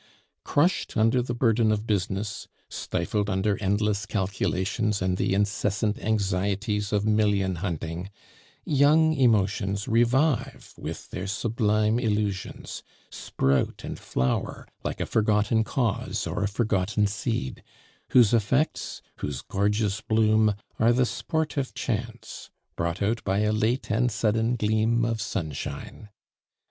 Crushed under the burden of business, stifled under endless calculations and the incessant anxieties of million hunting, young emotions revive with their sublime illusions, sprout and flower like a forgotten cause or a forgotten seed, whose effects, whose gorgeous bloom, are the sport of chance, brought out by a late and sudden gleam of sunshine.